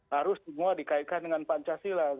harus semua dikaitkan dengan pancasila